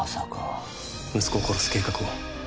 息子を殺す計画を。